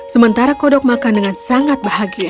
sementara kodok makan dengan sangat bahagia